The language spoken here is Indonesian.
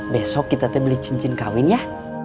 besok kita beli cincin kawin ya